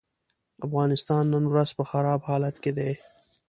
افغانستان نن ورځ په خراب حالت کې دی.